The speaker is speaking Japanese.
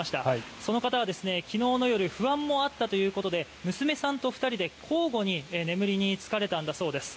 その方は昨日の夜不安もあったということで娘さんと２人で、交互に眠りに就かれたんだそうです。